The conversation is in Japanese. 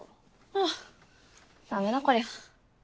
あぁダメだこりゃ。